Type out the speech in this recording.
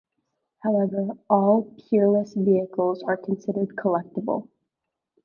However, all Peerless vehicles are considered collectible.